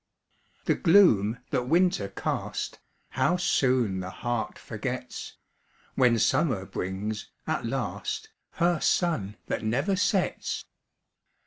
The gloom that winter cast, How soon the heart forgets, When summer brings, at last, Her sun that never sets!